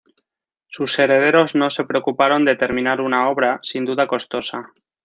Sus herederos no se preocuparon de terminar una obra sin duda costosa.